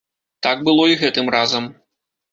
Так было і гэтым разам.